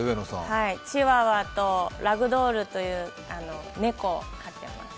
チワワとラグドールという猫を飼っています。